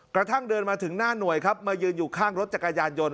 กระทั่งเดินมาถึงหน้าหน่วยครับมายืนอยู่ข้างรถจักรยานยนต